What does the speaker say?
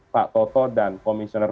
pak toto dan komisioner